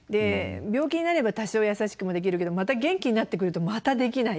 病気になれば多少優しくもできるけどまた元気になってくるとまたできない。